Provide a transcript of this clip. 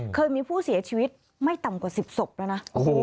เคยมีผู้เสียชีวิตไม่ต่ำกว่า๑๐ศพแล้วนะ